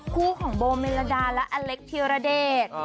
คู่ของโบเมลดาและอเล็กธิรเดช